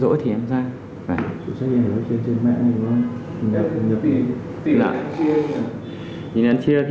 sổ sách này nó chia trên mạng này đúng không tỉ lương anh chia không nhỉ